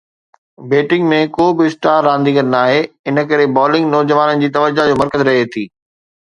batting ۾ ڪو به star رانديگر ناهي، ان ڪري بالنگ نوجوانن جي توجه جو مرڪز رهي ٿي